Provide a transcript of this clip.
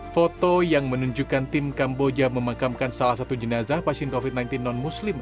foto yang menunjukkan tim kamboja memakamkan salah satu jenazah pasien covid sembilan belas non muslim